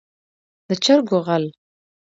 د چرګو غل.